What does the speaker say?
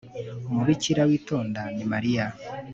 umubikira witonda ni mariya